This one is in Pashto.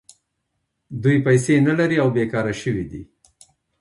دوی پیسې نلري او بېکاره شوي دي